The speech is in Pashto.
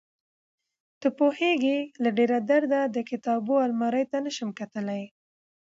ته پوهېږې له ډېره درده د کتابو المارۍ ته نشم کتلى.